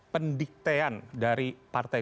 pendiktean dari partai